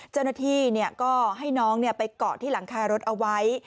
เจ้าหน้าที่ก็ให้น้องไปเกาะที่หลังคารถเอาไว้